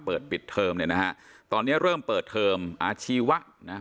เปิดปิดเทอมเนี่ยนะฮะตอนเนี้ยเริ่มเปิดเทอมอาชีวะนะฮะ